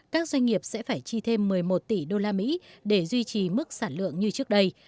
các doanh nghiệp sẽ phải chi thêm một mươi một tỷ đô la mỹ để duy trì mức sản lượng như trước đây